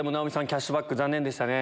キャッシュバック残念でしたね。